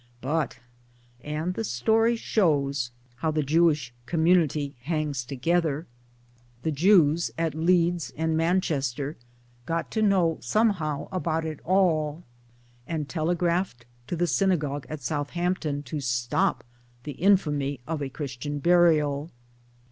But and the story shows how the Jewish community :i82 MY DAYS AND DREAMS hangs together the Jews at Leeds and Manchester got to know somehow about it all, and telegraphed to the synagogue at Southampton to stop the infamy of Christian burial.